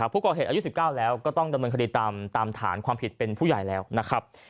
ผู้ก่อเหตุอายุ๑๙แล้วก็ต้องดำเนินคดีตามฐานความผิดเป็นผู้ใหญ่แล้วนะครับ